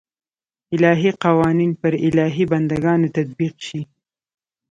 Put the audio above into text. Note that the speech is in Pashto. الهي قوانین پر الهي بنده ګانو تطبیق شي.